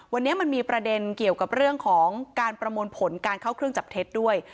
วันนี้มันมีประเด็นเกี่ยวกับเรื่องของการประมวลผลการเข้าเครื่องจับเท็จด้วย